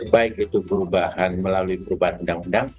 baik itu perubahan melalui perubahan undang undang